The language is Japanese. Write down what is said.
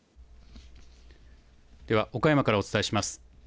では岡山からお伝えします。